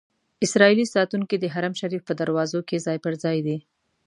اسرائیلي ساتونکي د حرم شریف په دروازو کې ځای پر ځای دي.